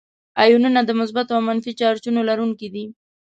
آیونونه د مثبتو او منفي چارجونو لرونکي دي.